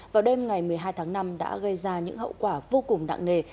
vào đêm ngày một mươi hai tháng năm đã gây ra những hậu quả vô cùng nặng nề